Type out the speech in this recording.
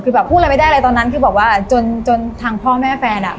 คือแบบพูดอะไรไม่ได้เลยตอนนั้นคือแบบว่าจนจนทางพ่อแม่แฟนอ่ะ